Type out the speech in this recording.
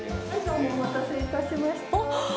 お待たせしました。